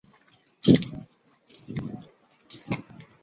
检察机关围绕大局抓的工作与总书记的要求完全吻合